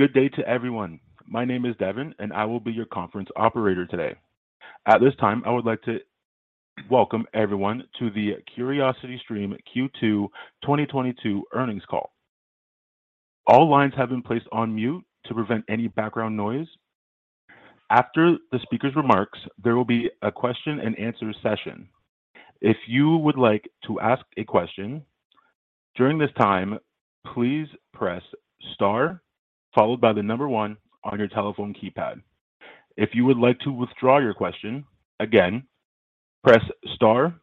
Good day to everyone. My name is Devin, and I will be your conference operator today. At this time, I would like to welcome everyone to the CuriosityStream Q2 2022 earnings call. All lines have been placed on mute to prevent any background noise. After the speaker's remarks, there will be a question-and-answer session. If you would like to ask a question during this time, please press star followed by the number one on your telephone keypad. If you would like to withdraw your question, again, press star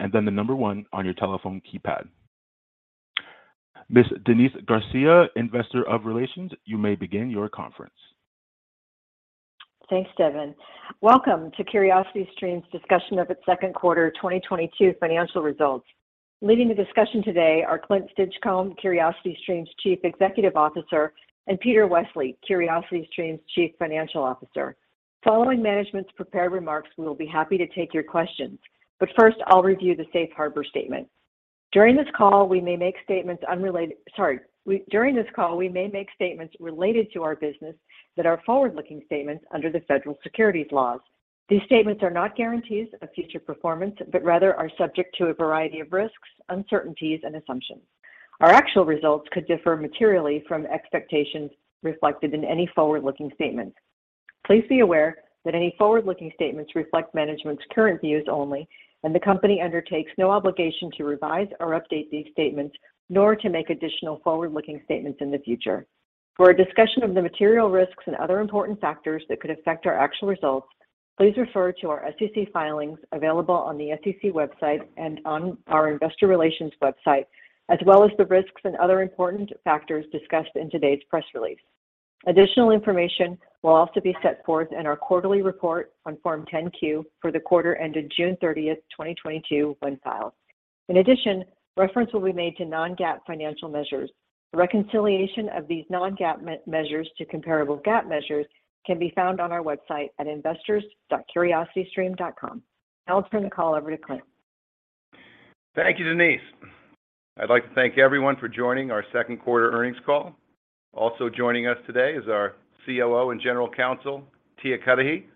and then the number one on your telephone keypad. Ms. Denise Garcia, Investor Relations, you may begin your conference. Thanks, Devin. Welcome to CuriosityStream's discussion of its second quarter 2022 financial results. Leading the discussion today are Clint Stinchcomb, CuriosityStream's Chief Executive Officer, and Peter Westley, CuriosityStream's Chief Financial Officer. Following management's prepared remarks, we will be happy to take your questions. First, I'll review the safe harbor statement. During this call, we may make statements related to our business that are forward-looking statements under the federal securities laws. These statements are not guarantees of future performance, but rather are subject to a variety of risks, uncertainties and assumptions. Our actual results could differ materially from expectations reflected in any forward-looking statements. Please be aware that any forward-looking statements reflect management's current views only, and the company undertakes no obligation to revise or update these statements, nor to make additional forward-looking statements in the future. For a discussion of the material risks and other important factors that could affect our actual results, please refer to our SEC filings available on the SEC website and on our investor relations website, as well as the risks and other important factors discussed in today's press release. Additional information will also be set forth in our quarterly report on Form 10-Q for the quarter ended June 30th, 2022, when filed. In addition, reference will be made to non-GAAP financial measures. The reconciliation of these non-GAAP measures to comparable GAAP measures can be found on our website at investors.curiositystream.com. Now I'll turn the call over to Clint. Thank you, Denise. I'd like to thank everyone for joining our second quarter earnings call. Also joining us today is our COO and General Counsel, Tia Cudahy,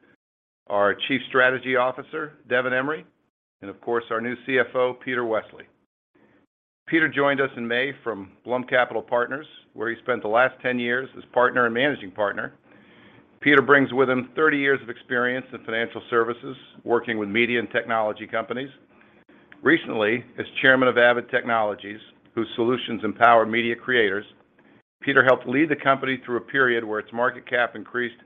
our Chief Strategy Officer, Devin Emery, and of course, our new CFO, Peter Westley. Peter joined us in May from Blum Capital Partners, where he spent the last 10 years as partner and managing partner. Peter brings with him 30 years of experience in financial services, working with media and technology companies. Recently, as chairman of Avid Technology, whose solutions empower media creators, Peter helped lead the company through a period where its market cap increased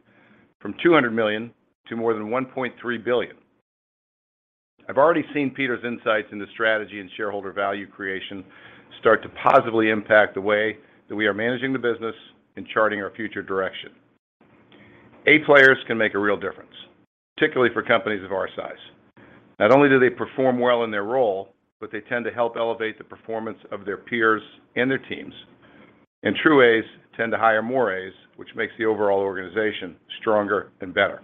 from $200 million to more than $1.3 billion. I've already seen Peter's insights into strategy and shareholder value creation start to positively impact the way that we are managing the business and charting our future direction. A players can make a real difference, particularly for companies of our size. Not only do they perform well in their role, but they tend to help elevate the performance of their peers and their teams. True As tend to hire more As, which makes the overall organization stronger and better.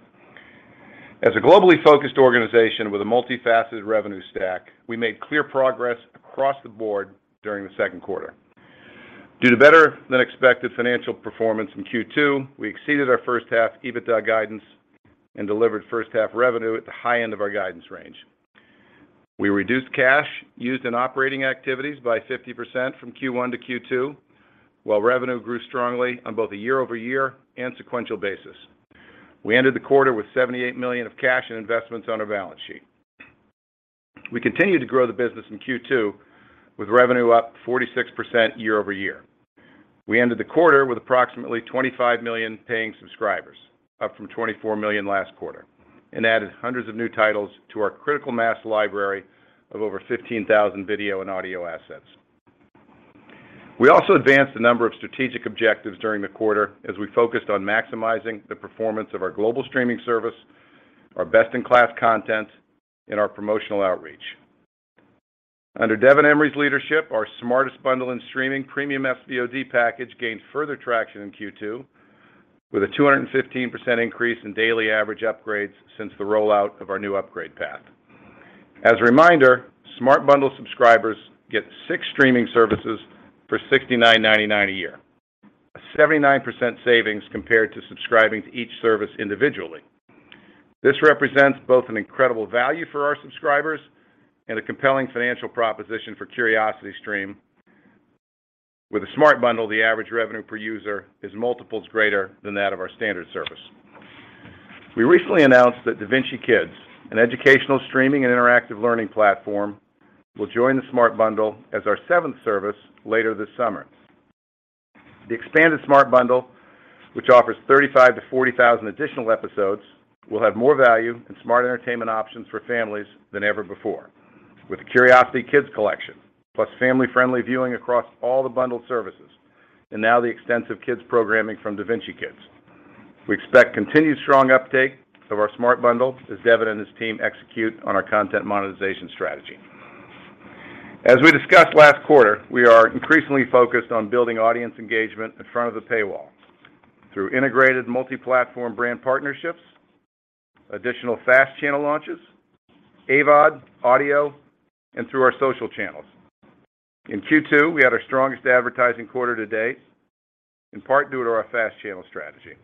As a globally focused organization with a multifaceted revenue stack, we made clear progress across the board during the second quarter. Due to better-than-expected financial performance in Q2, we exceeded our first half EBITDA guidance and delivered first half revenue at the high end of our guidance range. We reduced cash used in operating activities by 50% from Q1-Q2, while revenue grew strongly on both a year-over-year and sequential basis. We ended the quarter with $78 million of cash and investments on our balance sheet. We continued to grow the business in Q2, with revenue up 46% year-over-year. We ended the quarter with approximately 25 million paying subscribers, up from 24 million last quarter, and added hundreds of new titles to our critical mass library of over 15,000 video and audio assets. We also advanced a number of strategic objectives during the quarter as we focused on maximizing the performance of our global streaming service, our best-in-class content, and our promotional outreach. Under Devin Emery's leadership, our Smart Bundle in streaming premium SVOD package gained further traction in Q2 with a 215% increase in daily average upgrades since the rollout of our new upgrade path. As a reminder, Smart Bundle subscribers get six streaming services for $69.99 a year, a 79% savings compared to subscribing to each service individually. This represents both an incredible value for our subscribers and a compelling financial proposition for CuriosityStream. With a Smart Bundle, the average revenue per user is multiples greater than that of our standard service. We recently announced that Da Vinci Kids, an educational streaming and interactive learning platform, will join the Smart Bundle as our seventh service later this summer. The expanded Smart Bundle, which offers 35,000-40,000 additional episodes, will have more value and smart entertainment options for families than ever before, with Curiosity Kids collection, plus family-friendly viewing across all the bundled services, and now the extensive kids programming from Da Vinci Kids. We expect continued strong uptake of our Smart Bundle as Devin and his team execute on our content monetization strategy. As we discussed last quarter, we are increasingly focused on building audience engagement in front of the paywall through integrated multi-platform brand partnerships. Additional FAST channel launches, AVOD, audio, and through our social channels. In Q2, we had our strongest advertising quarter to date, in part due to our FAST channel strategy.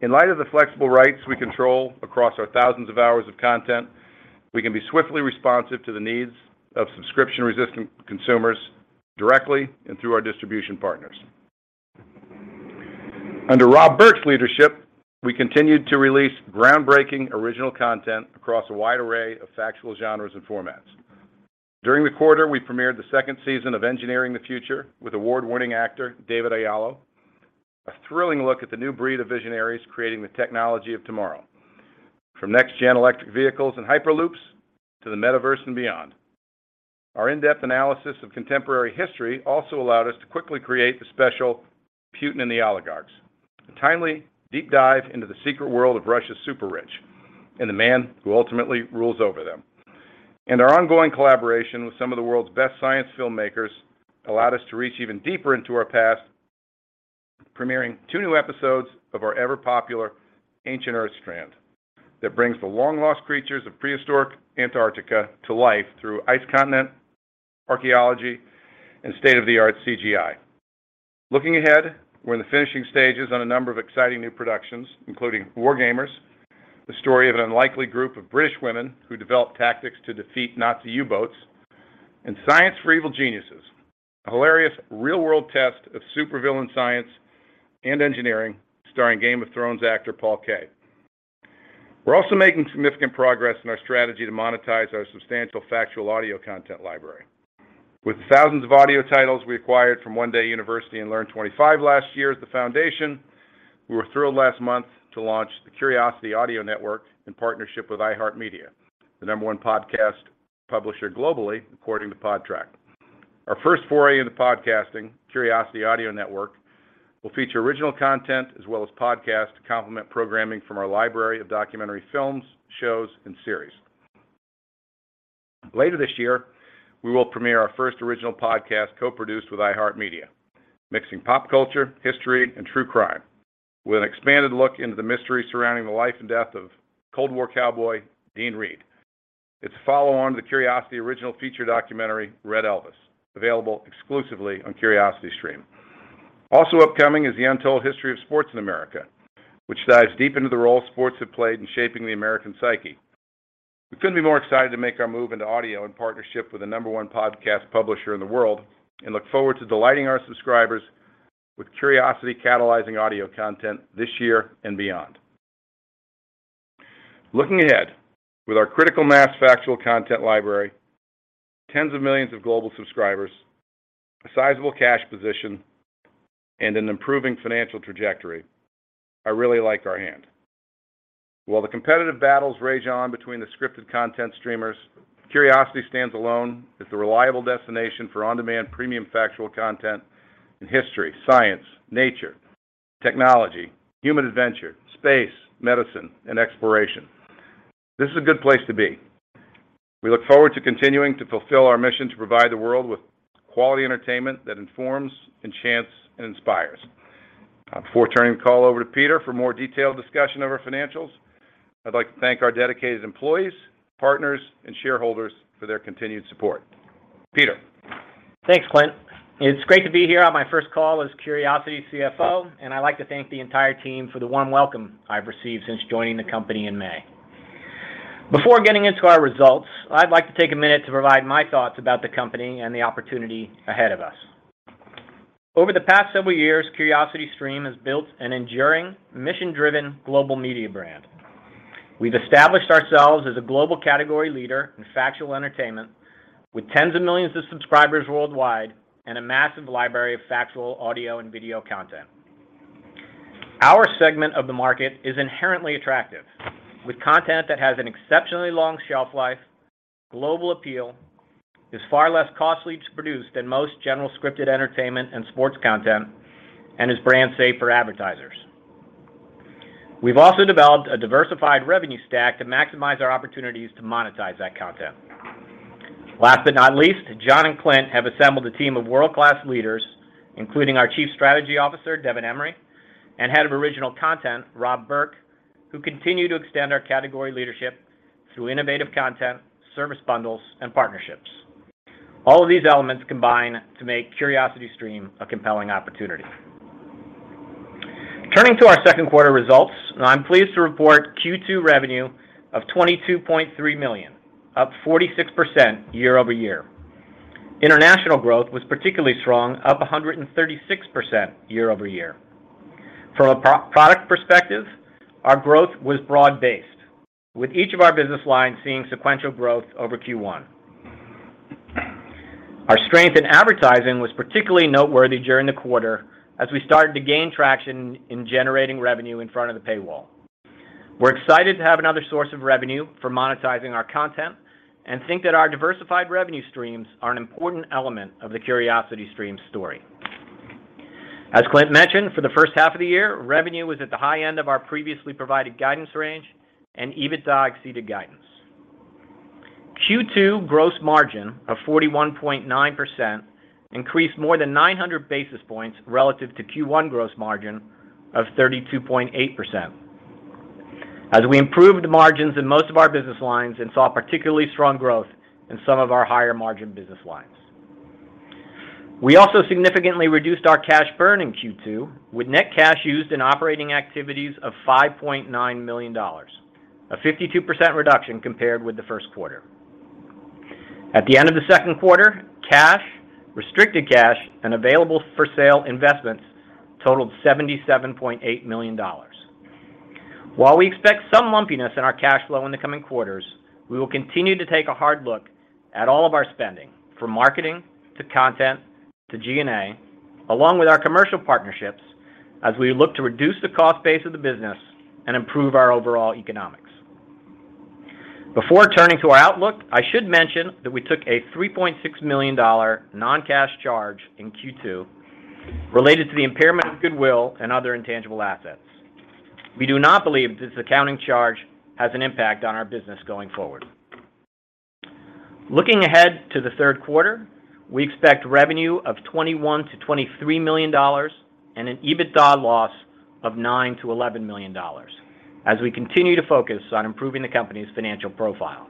In light of the flexible rights we control across our thousands of hours of content, we can be swiftly responsive to the needs of subscription-resistant consumers directly and through our distribution partners. Under Rob Burk's leadership, we continued to release groundbreaking original content across a wide array of factual genres and formats. During the quarter, we premiered the second season of Engineering the Future with award-winning actor David Oyelowo, a thrilling look at the new breed of visionaries creating the technology of tomorrow, from next-gen electric vehicles and hyperloops to the metaverse and beyond. Our in-depth analysis of contemporary history also allowed us to quickly create the special Putin and the Oligarchs, a timely deep dive into the secret world of Russia's super-rich and the man who ultimately rules over them. Our ongoing collaboration with some of the world's best science filmmakers allowed us to reach even deeper into our past, premiering two new episodes of our ever-popular Ancient Earth strand that brings the long-lost creatures of prehistoric Antarctica to life through ice continent, archeology, and state-of-the-art CGI. Looking ahead, we're in the finishing stages on a number of exciting new productions, including Wargamers, the story of an unlikely group of British women who developed tactics to defeat Nazi U-boats, and Science for Evil Geniuses, a hilarious real-world test of supervillain science and engineering starring Game of Thrones actor Paul Kaye. We're also making significant progress in our strategy to monetize our substantial factual audio content library. With thousands of audio titles we acquired from One Day University and Learn25 last year as the foundation, we were thrilled last month to launch the Curiosity Audio Network in partnership with iHeartMedia, the number one podcast publisher globally according to Podtrac. Our first foray into podcasting, Curiosity Audio Network, will feature original content as well as podcasts to complement programming from our library of documentary films, shows, and series. Later this year, we will premiere our first original podcast co-produced with iHeartMedia, mixing pop culture, history, and true crime with an expanded look into the mystery surrounding the life and death of Cold War cowboy Dean Reed. It's a follow-on to the CuriosityStream original feature documentary Red Elvis, available exclusively on CuriosityStream. Also upcoming is The Untold History of Sports in America, which dives deep into the role sports have played in shaping the American psyche. We couldn't be more excited to make our move into audio in partnership with the number one podcast publisher in the world and look forward to delighting our subscribers with Curiosity catalyzing audio content this year and beyond. Looking ahead, with our critical mass factual content library, tens of millions of global subscribers, a sizable cash position, and an improving financial trajectory, I really like our hand. While the competitive battles rage on between the scripted content streamers, Curiosity stands alone as the reliable destination for on-demand premium factual content in history, science, nature, technology, human adventure, space, medicine, and exploration. This is a good place to be. We look forward to continuing to fulfill our mission to provide the world with quality entertainment that informs, enchants, and inspires. Before turning the call over to Peter for more detailed discussion of our financials, I'd like to thank our dedicated employees, partners, and shareholders for their continued support. Peter. Thanks, Clint. It's great to be here on my first call as CuriosityStream CFO, and I'd like to thank the entire team for the warm welcome I've received since joining the company in May. Before getting into our results, I'd like to take a minute to provide my thoughts about the company and the opportunity ahead of us. Over the past several years, CuriosityStream has built an enduring, mission-driven global media brand. We've established ourselves as a global category leader in factual entertainment with tens of millions of subscribers worldwide and a massive library of factual audio and video content. Our segment of the market is inherently attractive, with content that has an exceptionally long shelf life, global appeal, is far less costly to produce than most general scripted entertainment and sports content, and is brand safe for advertisers. We've also developed a diversified revenue stack to maximize our opportunities to monetize that content. Last but not least, John and Clint have assembled a team of world-class leaders, including our Chief Strategy Officer, Devin Emery, and Head of Original Content, Rob Burk, who continue to extend our category leadership through innovative content, service bundles, and partnerships. All of these elements combine to make CuriosityStream a compelling opportunity. Turning to our second quarter results, I'm pleased to report Q2 revenue of $22.3 million, up 46% year-over-year. International growth was particularly strong, up 136% year-over-year. From a product perspective, our growth was broad-based, with each of our business lines seeing sequential growth over Q1. Our strength in advertising was particularly noteworthy during the quarter as we started to gain traction in generating revenue in front of the paywall. We're excited to have another source of revenue for monetizing our content and think that our diversified revenue streams are an important element of the CuriosityStream story. As Clint mentioned, for the first half of the year, revenue was at the high end of our previously provided guidance range, and EBITDA exceeded guidance. Q2 gross margin of 41.9% increased more than 900 basis points relative to Q1 gross margin of 32.8% as we improved margins in most of our business lines and saw particularly strong growth in some of our higher margin business lines. We also significantly reduced our cash burn in Q2 with net cash used in operating activities of $5.9 million, a 52% reduction compared with the first quarter. At the end of the second quarter, cash, restricted cash, and available for sale investments totaled $77.8 million. While we expect some lumpiness in our cash flow in the coming quarters, we will continue to take a hard look at all of our spending, from marketing to content to G&A, along with our commercial partnerships as we look to reduce the cost base of the business and improve our overall economics. Before turning to our outlook, I should mention that we took a $3.6 million non-cash charge in Q2 related to the impairment of goodwill and other intangible assets. We do not believe this accounting charge has an impact on our business going forward. Looking ahead to the third quarter, we expect revenue of $21 million-$23 million and an EBITDA loss of $9 million-$11 million as we continue to focus on improving the company's financial profile.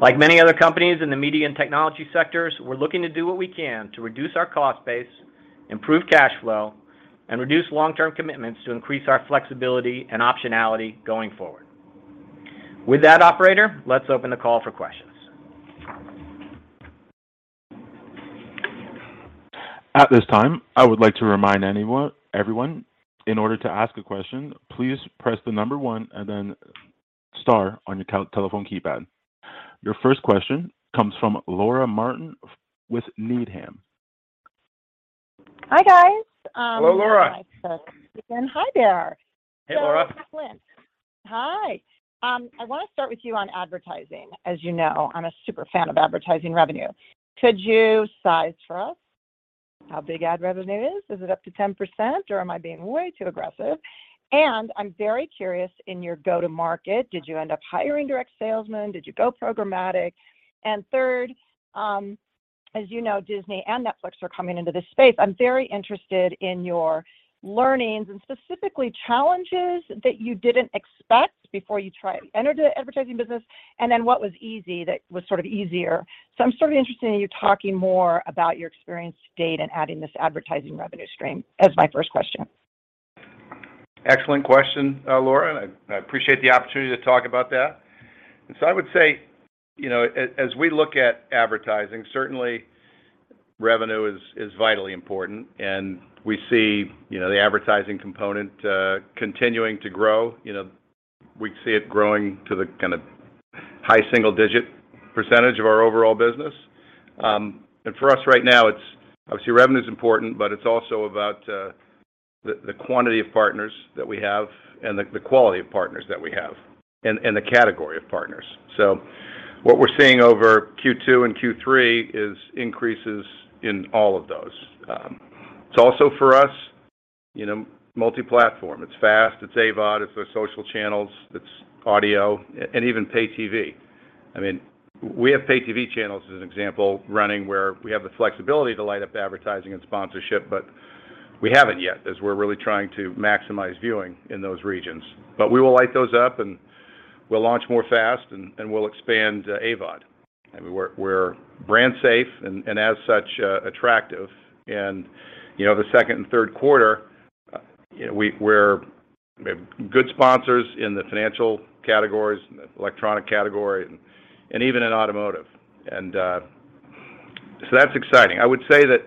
Like many other companies in the media and technology sectors, we're looking to do what we can to reduce our cost base, improve cash flow, and reduce long-term commitments to increase our flexibility and optionality going forward. With that, operator, let's open the call for questions. At this time, I would like to remind everyone, in order to ask a question, please press the number one and then star on your telephone keypad. Your first question comes from Laura Martin with Needham. Hi, guys. Hello, Laura. I'd like to begin. Hi there. Hey, Laura. Clint. Hi. I wanna start with you on advertising. As you know, I'm a super fan of advertising revenue. Could you size for us how big ad revenue is? Is it up to 10%, or am I being way too aggressive? I'm very curious, in your go-to-market, did you end up hiring direct salesmen? Did you go programmatic? Third, as you know, Disney and Netflix are coming into this space. I'm very interested in your learnings and specifically challenges that you didn't expect before you entered the advertising business and then what was easy that was sort of easier. I'm sort of interested in you talking more about your experience to date and adding this advertising revenue stream as my first question. Excellent question, Laura. I appreciate the opportunity to talk about that. I would say, you know, as we look at advertising, certainly revenue is vitally important, and we see, you know, the advertising component continuing to grow. You know, we see it growing to the kind of high single-digit percentage of our overall business. For us right now, it's obviously revenue's important, but it's also about the quantity of partners that we have and the quality of partners that we have and the category of partners. What we're seeing over Q2 and Q3 is increases in all of those. It's also for us, you know, multi-platform. It's FAST, it's AVOD, it's the social channels, it's audio and even pay TV. I mean, we have pay TV channels as an example running where we have the flexibility to light up advertising and sponsorship, but we haven't yet as we're really trying to maximize viewing in those regions. We will light those up, and we'll launch more FAST, and we'll expand AVOD. I mean, we're brand safe and as such attractive. You know, the second and third quarter, you know, we're good for sponsors in the financial categories, in the electronic category and even in automotive. That's exciting. I would say that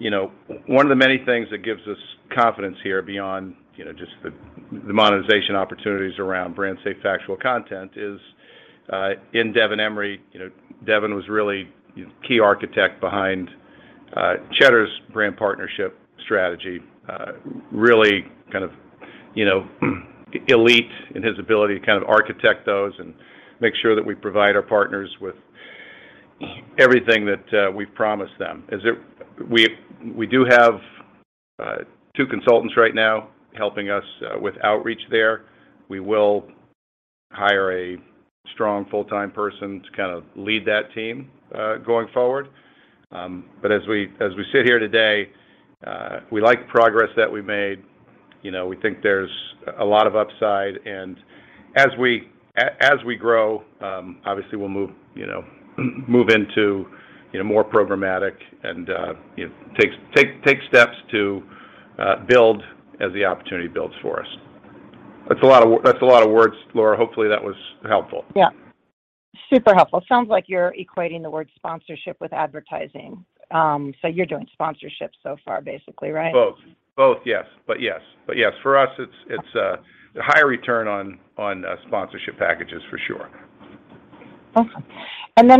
you know one of the many things that gives us confidence here beyond you know just the monetization opportunities around brand safe factual content is in Devin Emery. You know, Devin was really key architect behind Cheddar's brand partnership strategy, really kind of, you know, elite in his ability to kind of architect those and make sure that we provide our partners with everything that we've promised them. We do have two consultants right now helping us with outreach there. We will hire a strong full-time person to kinda lead that team going forward. As we sit here today, we like the progress that we've made. You know, we think there's a lot of upside. As we grow, obviously we'll move, you know, move into, you know, more programmatic and, you know, take steps to build as the opportunity builds for us. That's a lot of words, Laura. Hopefully, that was helpful. Yeah. Super helpful. Sounds like you're equating the word sponsorship with advertising. You're doing sponsorships so far, basically, right? Both, yes. Yes. For us, it's a high return on sponsorship packages for sure. Awesome.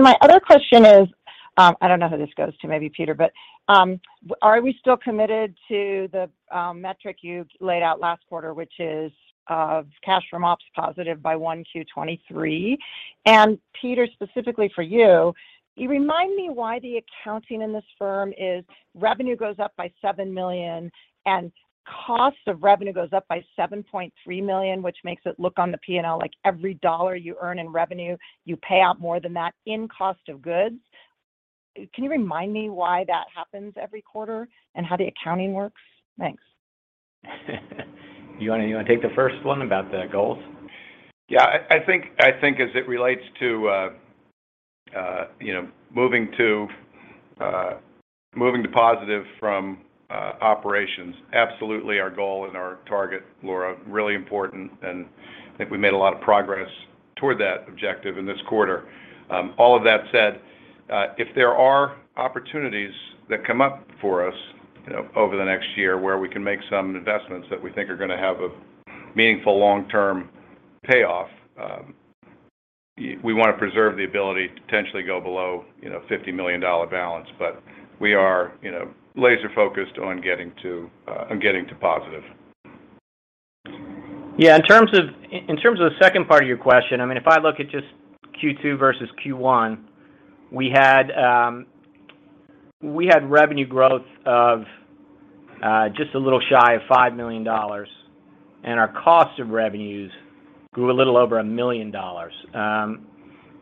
My other question is, I don't know who this goes to, maybe Peter, but, are we still committed to the metric you laid out last quarter, which is, cash from ops positive by 1Q 2023? Peter, specifically for you, remind me why the accounting in this firm is revenue goes up by $7 million and cost of revenue goes up by $7.3 million, which makes it look on the P&L like every dollar you earn in revenue, you pay out more than that in cost of goods. Can you remind me why that happens every quarter and how the accounting works? Thanks. You wanna take the first one about the goals? Yeah. I think as it relates to, you know, moving to positive from operations, absolutely our goal and our target, Laura, really important, and I think we made a lot of progress toward that objective in this quarter. All of that said, if there are opportunities that come up for us, you know, over the next year where we can make some investments that we think are gonna have a meaningful long-term payoff, we wanna preserve the ability to potentially go below, you know, $50 million balance. We are, you know, laser focused on getting to positive. Yeah, in terms of the second part of your question, I mean, if I look at just Q2 versus Q1, we had revenue growth of just a little shy of $5 million, and our cost of revenues grew a little over $1 million.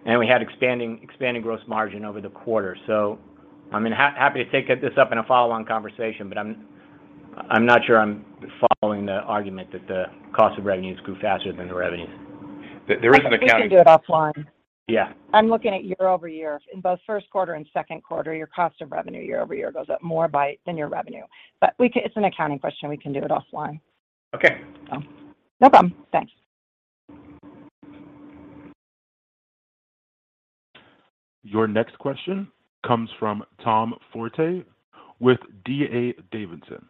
We had expanding gross margin over the quarter. I mean, happy to take this up in a follow-on conversation, but I'm not sure I'm following the argument that the cost of revenues grew faster than the revenues. There is an accounting. We can do it offline. Yeah. I'm looking at year-over-year. In both first quarter and second quarter, your cost of revenue year-over-year goes up more than your revenue. It's an accounting question. We can do it offline. Okay. No problem. Thanks. Your next question comes from Tom Forte with D.A. Davidson.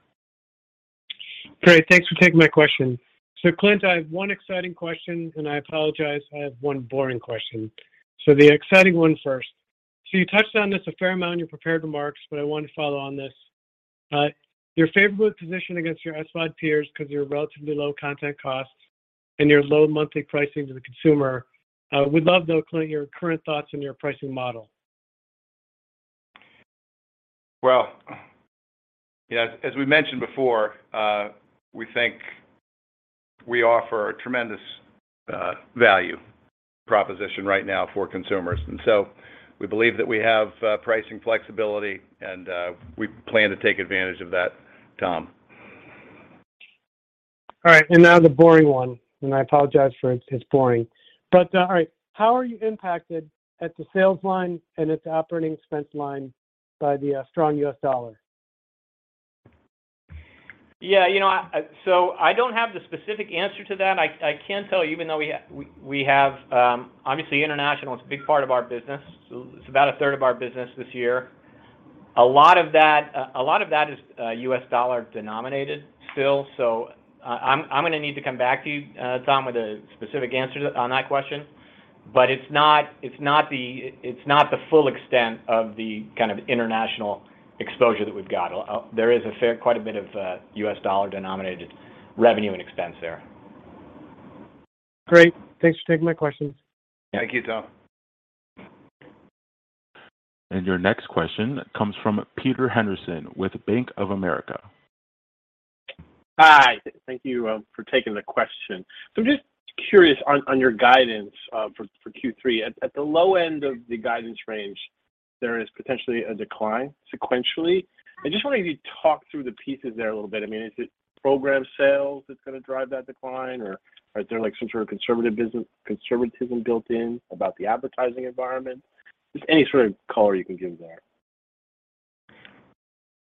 Great. Thanks for taking my question. Clint, I have one exciting question, and I apologize, I have one boring question. The exciting one first. You touched on this a fair amount in your prepared remarks, but I wanted to follow on this. You're favorably positioned against your SVOD peers because of your relatively low content costs and your low monthly pricing to the consumer. Would love though, Clint, your current thoughts on your pricing model. Well, yeah, as we mentioned before, we think we offer a tremendous value proposition right now for consumers. We believe that we have pricing flexibility and we plan to take advantage of that, Tom. All right. Now the boring one, and I apologize for it. It's boring. All right. How are you impacted at the sales line and its operating expense line by the strong U.S. dollar? I don't have the specific answer to that. I can tell you even though we have obviously international is a big part of our business. It's about a third of our business this year. A lot of that is U.S. dollar denominated still, so I'm gonna need to come back to you, Tom, with a specific answer on that question. It's not the full extent of the kind of international exposure that we've got. There is quite a bit of U.S. dollar denominated revenue and expense there. Great. Thanks for taking my questions. Thank you, Tom. Your next question comes from Peter Henderson with Bank of America. Hi. Thank you for taking the question. I'm just curious on your guidance for Q3. At the low end of the guidance range, there is potentially a decline sequentially. I just wonder if you talk through the pieces there a little bit. I mean, is it program sales that's gonna drive that decline, or is there like some sort of conservative conservatism built in about the advertising environment? Just any sort of color you can give there.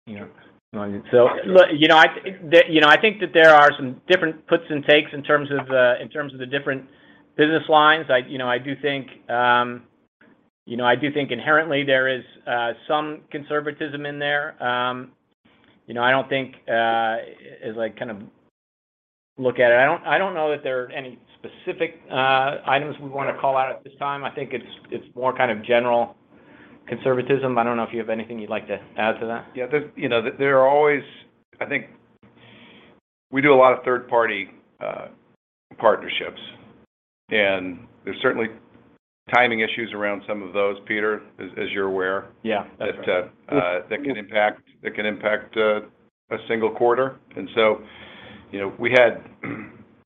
Look, you know, I think that there are some different puts and takes in terms of, in terms of the different business lines. You know, I do think, you know, I do think inherently there is some conservatism in there. You know, I don't think, as I kind of look at it, I don't know that there are any specific items we wanna call out at this time. I think it's more kind of general conservatism. I don't know if you have anything you'd like to add to that. Yeah. There's, you know, there are always. I think we do a lot of third-party partnerships, and there's certainly timing issues around some of those, Peter, as you're aware. Yeah. That's right. That can impact a single quarter. You know, we had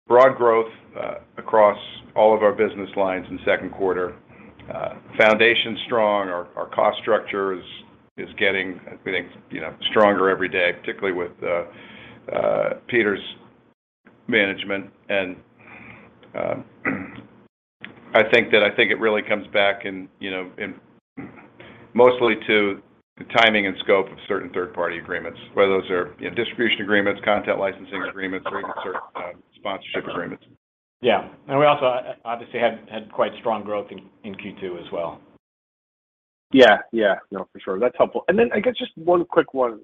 broad growth across all of our business lines in second quarter. Foundation strong. Our cost structure is getting, I think, you know, stronger every day, particularly with Peter's management and I think it really comes back and, you know, mostly to the timing and scope of certain third-party agreements, whether those are, you know, distribution agreements, content licensing agreements, or even certain sponsorship agreements. Yeah. We also obviously had quite strong growth in Q2 as well. Yeah. Yeah. No, for sure. That's helpful. I guess just one quick one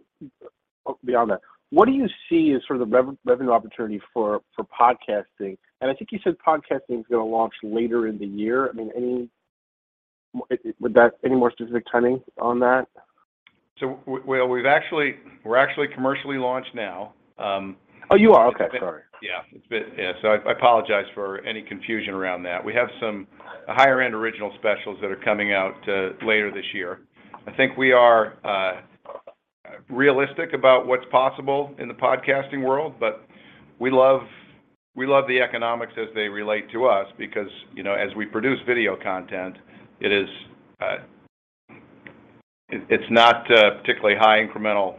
beyond that. What do you see as sort of the revenue opportunity for podcasting? I think you said podcasting is gonna launch later in the year. I mean, any more specific timing on that? Well, we're actually commercially launched now. Oh, you are? Okay. Sorry. I apologize for any confusion around that. We have some higher end original specials that are coming out later this year. I think we are realistic about what's possible in the podcasting world, but we love the economics as they relate to us because, you know, as we produce video content, it is not a particularly high incremental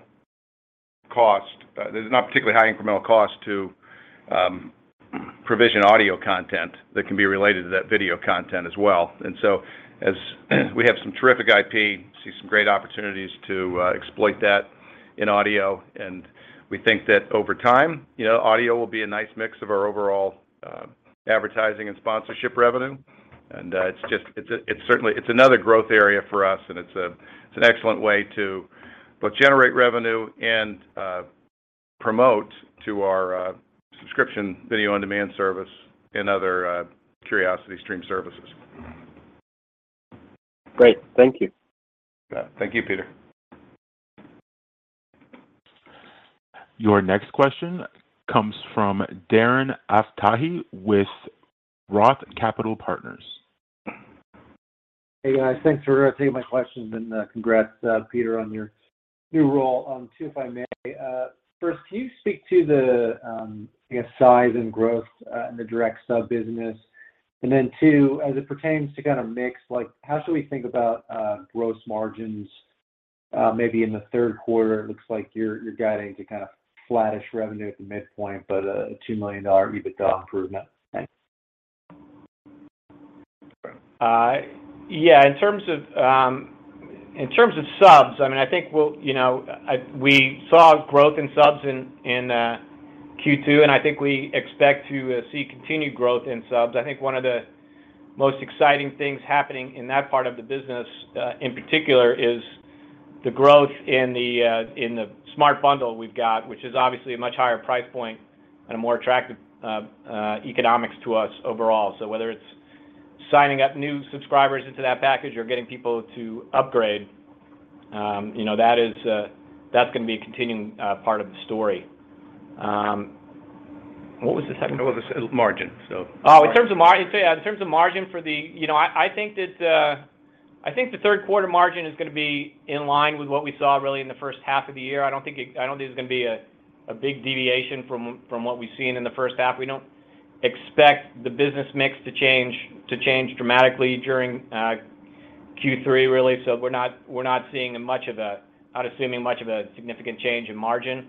cost. There's not particularly high incremental cost to provision audio content that can be related to that video content as well. We have some terrific IP, we see some great opportunities to exploit that in audio, and we think that over time, you know, audio will be a nice mix of our overall advertising and sponsorship revenue. It's certainly another growth area for us, and it's an excellent way to both generate revenue and promote to our subscription video-on-demand service and other CuriosityStream services. Great. Thank you. Yeah. Thank you, Peter. Your next question comes from Darren Aftahi with Roth Capital Partners. Hey, guys. Thanks for taking my questions, and congrats, Peter, on your new role. Two if I may. First, can you speak to the, I guess, size and growth in the direct sub business? Then two, as it pertains to kind of mix, like how should we think about gross margins, maybe in the third quarter? It looks like you're guiding to kind of flattish revenue at the midpoint, but a $2 million EBITDA improvement. Thanks. Yeah, in terms of subs, I mean, I think, you know, we saw growth in subs in Q2, and I think we expect to see continued growth in subs. I think one of the most exciting things happening in that part of the business in particular is the growth in the Smart Bundle we've got, which is obviously a much higher price point and a more attractive economics to us overall. So whether it's signing up new subscribers into that package or getting people to upgrade, you know, that is, that's gonna be a continuing part of the story. What was the second one? Well, the margin. Oh, in terms of margin. You know, I think the third quarter margin is gonna be in line with what we saw really in the first half of the year. I don't think there's gonna be a big deviation from what we've seen in the first half. We don't expect the business mix to change dramatically during Q3, really. We're not assuming much of a significant change in margin.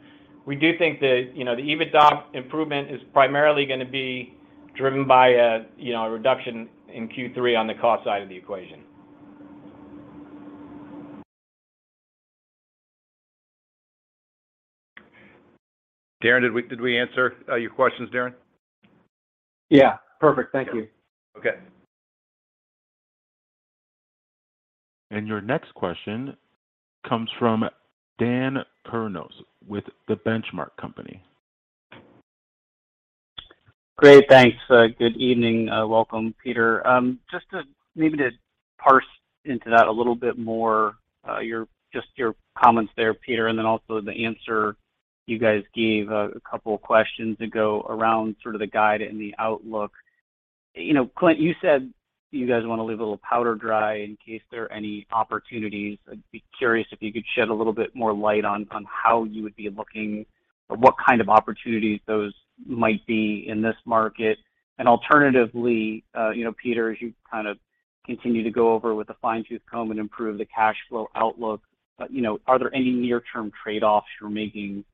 We do think that, you know, the EBITDA improvement is primarily gonna be driven by a, you know, a reduction in Q3 on the cost side of the equation. Darren, did we answer your questions, Darren? Yeah. Perfect. Thank you. Okay. Your next question comes from Dan Kurnos with The Benchmark Company. Great. Thanks. Good evening. Welcome, Peter. Maybe to parse into that a little bit more, your comments there, Peter, and then also the answer you guys gave a couple of questions ago around sort of the guide and the outlook. You know, Clint, you said you guys wanna leave a little powder dry in case there are any opportunities. I'd be curious if you could shed a little bit more light on how you would be looking or what kind of opportunities those might be in this market. Alternatively, you know, Peter, as you kind of continue to go over with a fine-tooth comb and improve the cash flow outlook, you know, are there any near-term trade-offs you're making,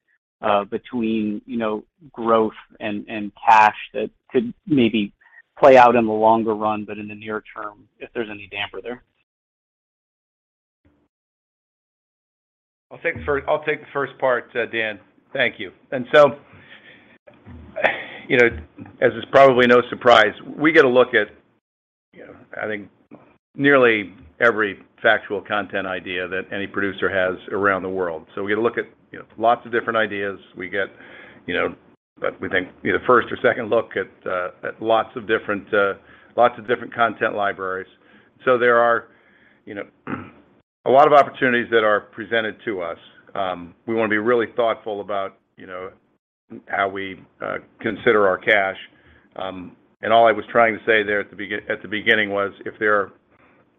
between, you know, growth and cash that could maybe play out in the longer run, but in the near term, if there's any damper there? I'll take the first part, Dan. Thank you. You know, as it's probably no surprise, we get a look at, you know, I think nearly every factual content idea that any producer has around the world. We get a look at, you know, lots of different ideas. We get, you know, what we think, you know, first or second look at lots of different, lots of different content libraries. There are, you know, a lot of opportunities that are presented to us. We wanna be really thoughtful about, you know, how we, consider our cash. All I was trying to say there at the beginning was if there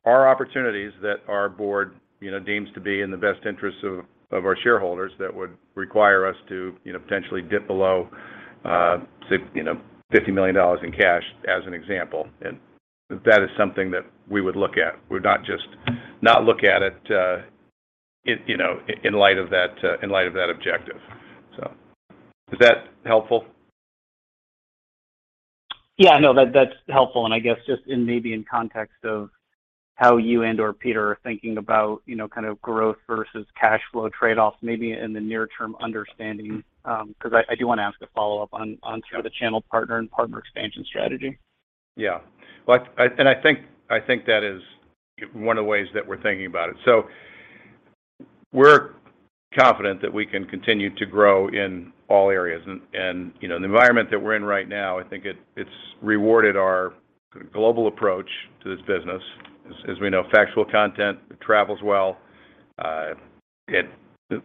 are opportunities that our board, you know, deems to be in the best interest of our shareholders that would require us to, you know, potentially dip below $50 million in cash as an example, and that is something that we would look at. We're not just not look at it in light of that objective. Is that helpful? Yeah. No. That, that's helpful. I guess just in maybe in context of how you and/or Peter are thinking about, you know, kind of growth versus cash flow trade-offs, maybe in the near term understanding, 'cause I do wanna ask a follow-up on sort of the channel partner and partner expansion strategy. Yeah. Well, I think that is one of the ways that we're thinking about it. We're confident that we can continue to grow in all areas. You know, the environment that we're in right now, I think it's rewarded our global approach to this business. As we know, factual content travels well, it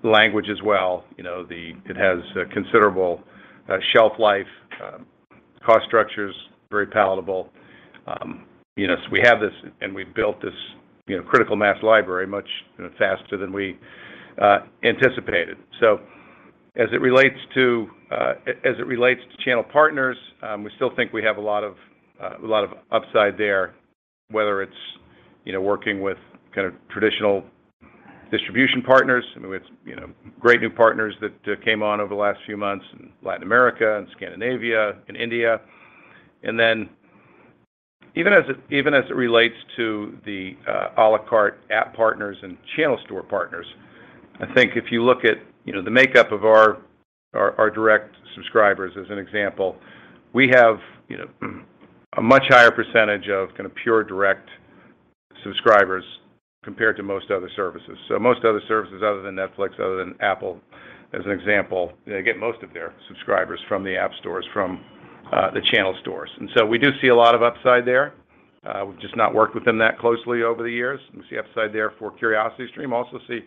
languages well, you know, it has a considerable shelf life. Cost structure is very palatable. You know, we have this, and we built this, you know, critical mass library much faster than we anticipated. As it relates to channel partners, we still think we have a lot of upside there, whether it's, you know, working with kind of traditional distribution partners. I mean, we have, you know, great new partners that came on over the last few months in Latin America and Scandinavia and India. Even as it relates to the a la carte app partners and channel store partners, I think if you look at, you know, the makeup of our direct subscribers as an example, we have, you know, a much higher percentage of kinda pure direct subscribers compared to most other services. Most other services other than Netflix, other than Apple, as an example, they get most of their subscribers from the app stores, from the channel stores. We do see a lot of upside there. We've just not worked with them that closely over the years. We see upside there for CuriosityStream, also see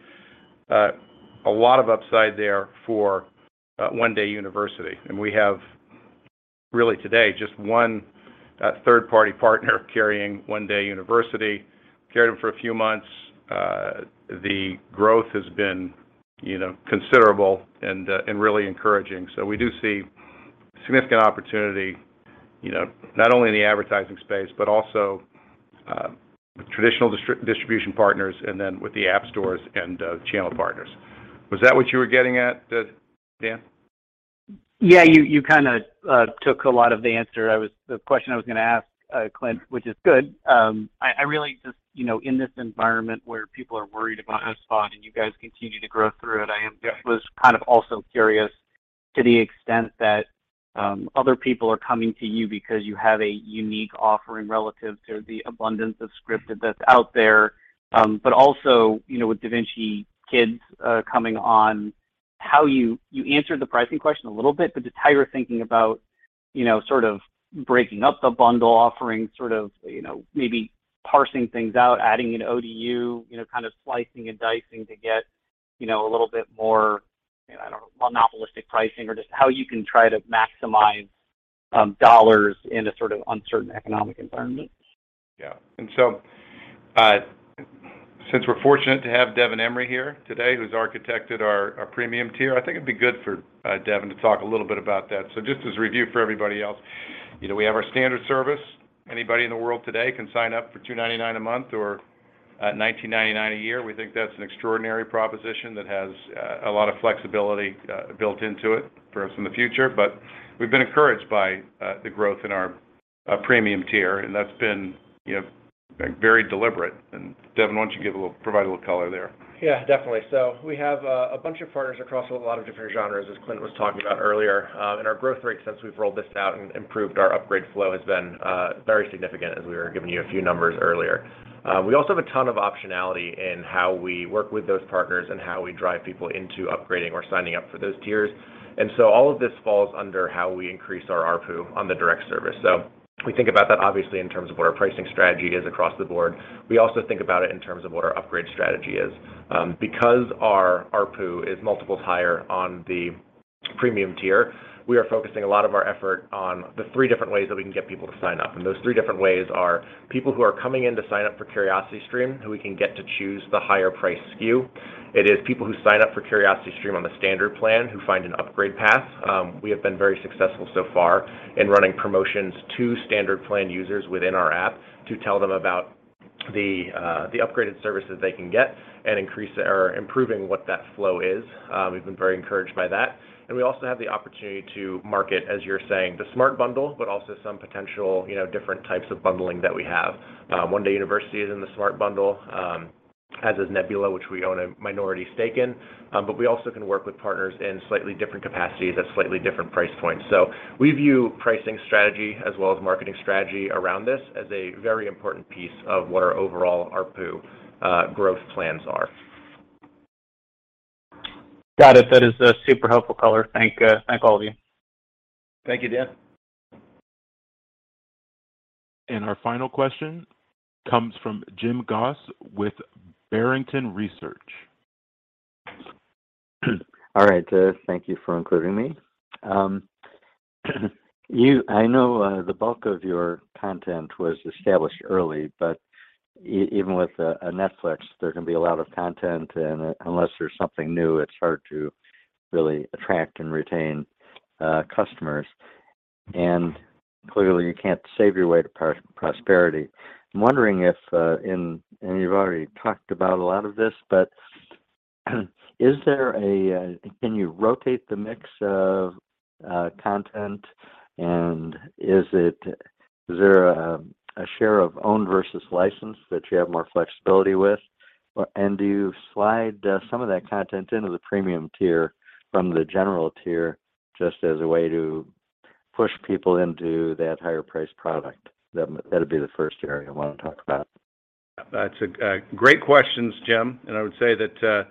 a lot of upside there for One Day University. We have really today just one third-party partner carrying One Day University. Carried them for a few months. The growth has been, you know, considerable and really encouraging. We do see significant opportunity, you know, not only in the advertising space, but also with traditional distribution partners and then with the app stores and channel partners. Was that what you were getting at, Dan? Yeah. You kinda took a lot of the question I was gonna ask, Clint, which is good. I really just, you know, in this environment where people are worried about HubSpot and you guys continue to grow through it, I am. Yeah. I was kind of also curious to the extent that other people are coming to you because you have a unique offering relative to the abundance of scripted that's out there. Also, you know, with DaVinci Kids coming on, you answered the pricing question a little bit, but just how you're thinking about, you know, sort of breaking up the bundle, offering sort of, you know, maybe parsing things out, adding an ODU, you know, kind of slicing and dicing to get, you know, a little bit more, you know, I don't know, monopolistic pricing or just how you can try to maximize dollars in a sort of uncertain economic environment. Yeah. Since we're fortunate to have Devin Emery here today, who's architected our premium tier, I think it'd be good for Devin to talk a little bit about that. Just as a review for everybody else, you know, we have our standard service. Anybody in the world today can sign up for $2.99 a month or $19.99 a year. We think that's an extraordinary proposition that has a lot of flexibility built into it for us in the future. But we've been encouraged by the growth in our premium tier, and that's been, you know, very deliberate. Devin, why don't you provide a little color there? Yeah, definitely. We have a bunch of partners across a lot of different genres, as Clint was talking about earlier. Our growth rate since we've rolled this out and improved our upgrade flow has been very significant as we were giving you a few numbers earlier. We also have a ton of optionality in how we work with those partners and how we drive people into upgrading or signing up for those tiers. All of this falls under how we increase our ARPU on the direct service. We think about that obviously in terms of what our pricing strategy is across the board. We also think about it in terms of what our upgrade strategy is. Because our ARPU is multiples higher on the premium tier, we are focusing a lot of our effort on the three different ways that we can get people to sign up. Those three different ways are people who are coming in to sign up for CuriosityStream, who we can get to choose the higher price SKU. It is people who sign up for CuriosityStream on the standard plan who find an upgrade path. We have been very successful so far in running promotions to standard plan users within our app to tell them about the upgraded services they can get and increase or improving what that flow is. We've been very encouraged by that. We also have the opportunity to market, as you're saying, the Smart Bundle, but also some potential, you know, different types of bundling that we have. One Day University is in the Smart Bundle, as is Nebula, which we own a minority stake in. We also can work with partners in slightly different capacities at slightly different price points. We view pricing strategy as well as marketing strategy around this as a very important piece of what our overall ARPU growth plans are. Got it. That is a super helpful color. Thank all of you. Thank you, Dan. Our final question comes from Jim Goss with Barrington Research. All right. Thank you for including me. I know the bulk of your content was established early, but even with a Netflix, there can be a lot of content, and unless there's something new, it's hard to really attract and retain customers. Clearly, you can't save your way to prosperity. I'm wondering if, and you've already talked about a lot of this, but can you rotate the mix of content, and is there a share of owned versus licensed that you have more flexibility with? Or do you slide some of that content into the premium tier from the general tier just as a way to push people into that higher priced product? That'd be the first area I wanna talk about. That's great questions, Jim. I would say that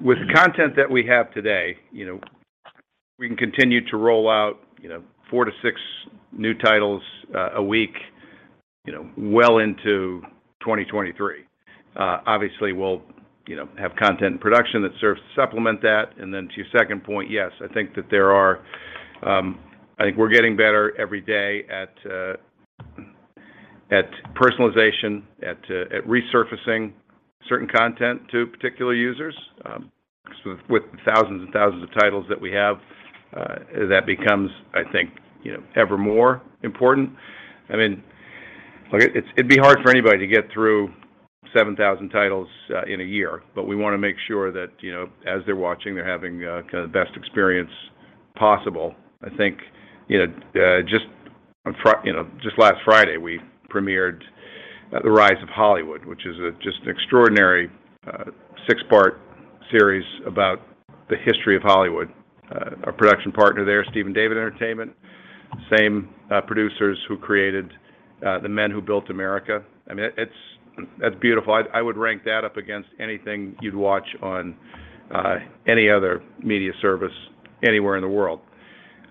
with the content that we have today, you know, we can continue to roll out, you know, four to six new titles a week. You know, well into 2023. Obviously, we'll, you know, have content production that serves to supplement that. Then to your second point, yes, I think that there are. I think we're getting better every day at personalization, at resurfacing certain content to particular users, 'cause with the thousands and thousands of titles that we have, that becomes, I think, you know, ever more important. I mean, look, it's, it'd be hard for anybody to get through 7,000 titles in a year. We wanna make sure that, you know, as they're watching, they're having kinda the best experience possible. I think, you know, just last Friday, we premiered The Rise of Hollywood, which is just an extraordinary six-part series about the history of Hollywood. Our production partner there, Stephen David Entertainment, same producers who created The Men Who Built America. I mean, it's beautiful. I would rank that up against anything you'd watch on any other media service anywhere in the world.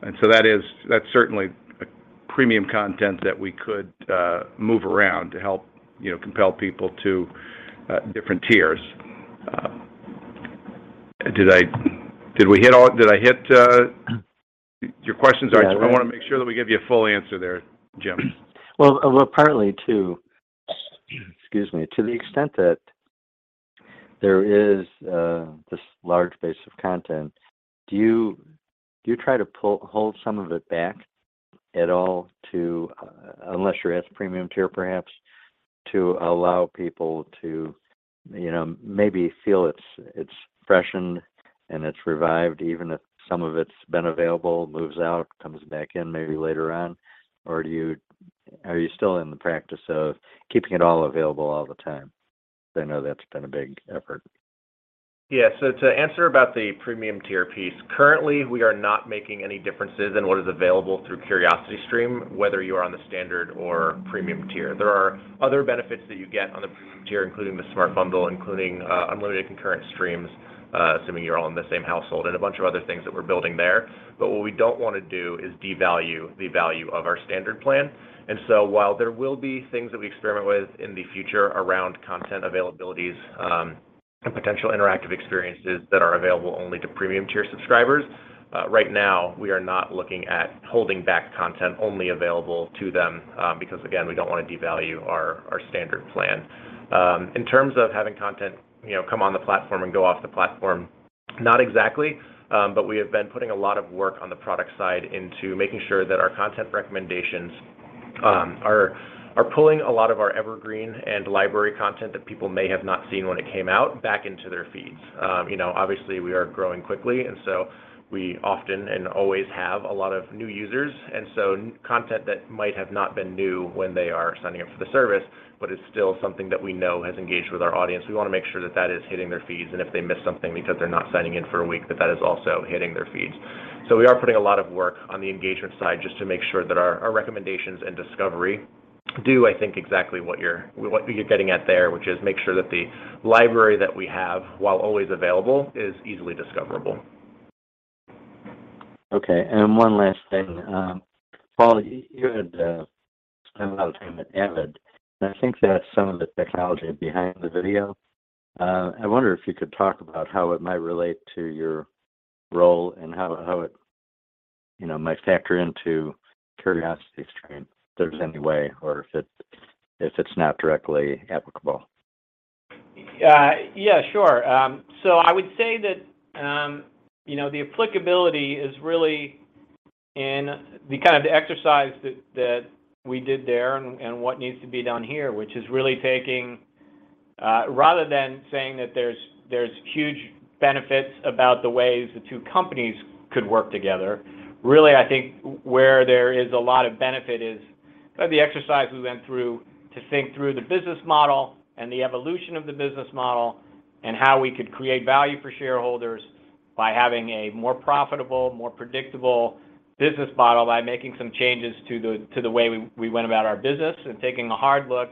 That's certainly a premium content that we could move around to help, you know, compel people to different tiers. Did I hit your questions? Yeah. I just wanna make sure that we give you a full answer there, Jim. Excuse me. To the extent that there is this large base of content, do you try to hold some of it back at all to, unless you're at premium tier, perhaps, to allow people to, you know, maybe feel it's freshened and it's revived, even if some of it's been available, moves out, comes back in maybe later on? Or are you still in the practice of keeping it all available all the time? I know that's been a big effort. Yeah. To answer about the premium tier piece, currently, we are not making any differences in what is available through CuriosityStream, whether you are on the standard or premium tier. There are other benefits that you get on the premium tier, including the Smart Bundle, including unlimited concurrent streams, assuming you're all in the same household, and a bunch of other things that we're building there. But what we don't wanna do is devalue the value of our standard plan. While there will be things that we experiment with in the future around content availabilities, and potential interactive experiences that are available only to premium tier subscribers, right now, we are not looking at holding back content only available to them, because, again, we don't wanna devalue our standard plan. In terms of having content, you know, come on the platform and go off the platform, not exactly. We have been putting a lot of work on the product side into making sure that our content recommendations are pulling a lot of our evergreen and library content that people may have not seen when it came out back into their feeds. You know, obviously, we are growing quickly, and so we often and always have a lot of new users, and so content that might have not been new when they are signing up for the service, but it's still something that we know has engaged with our audience. We wanna make sure that that is hitting their feeds, and if they miss something because they're not signing in for a week, that that is also hitting their feeds. We are putting a lot of work on the engagement side just to make sure that our recommendations and discovery do, I think, exactly what you're getting at there, which is make sure that the library that we have, while always available, is easily discoverable. Okay. One last thing. Peter, you had spent a lot of time at Avid. I think that some of the technology behind the video, I wonder if you could talk about how it might relate to your role and how it, you know, might factor into CuriosityStream, if there's any way or if it's not directly applicable. Yeah, sure. I would say that, you know, the applicability is really in the kind of the exercise that we did there and what needs to be done here, which is really taking rather than saying that there's huge benefits about the ways the two companies could work together. Really, I think where there is a lot of benefit is the exercise we went through to think through the business model and the evolution of the business model and how we could create value for shareholders by having a more profitable, more predictable business model by making some changes to the way we went about our business and taking a hard look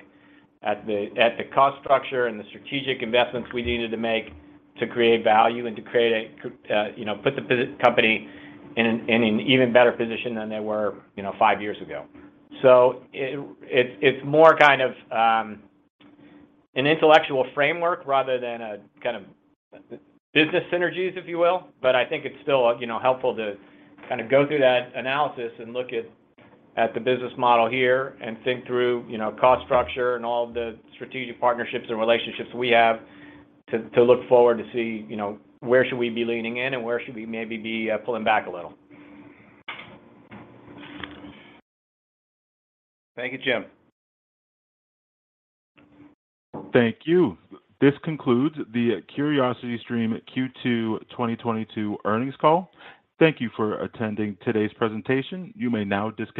at the cost structure and the strategic investments we needed to make to create value and to create, you know, put the company in an even better position than they were, you know, five years ago. It's more kind of an intellectual framework rather than a kind of business synergies, if you will. I think it's still, you know, helpful to kinda go through that analysis and look at the business model here and think through, you know, cost structure and all the strategic partnerships and relationships we have to look forward to see, you know, where should we be leaning in and where should we maybe be pulling back a little. Thank you, Jim. Thank you. This concludes the CuriosityStream Q2 2022 earnings call. Thank you for attending today's presentation. You may now disconnect.